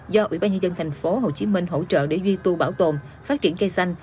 do ủy ban nhân dân tp hcm hỗ trợ để duy tu bảo tồn phát triển cây xanh